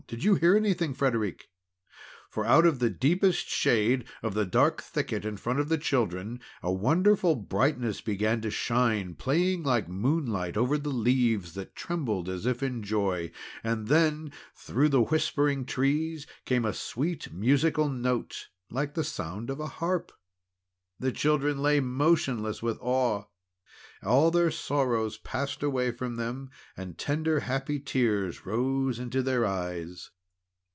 "Do you hear anything, Frederic?" For out of the deepest shade of the dark thicket in front of the children, a wonderful brightness began to shine, playing like moonlight over the leaves that trembled as if in joy. Then through the whispering trees came a sweet musical note, like the sound of a harp. The children lay motionless with awe. All their sorrow passed away from them, and tender, happy tears rose into their eyes.